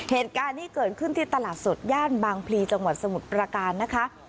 เหตุการณ์นี้เกิดขึ้นที่ตลาดสดย่านบางพลีจังหวัดสมุทรประการนะคะ